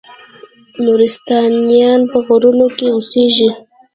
نورستانیان په غرونو کې اوسیږي؟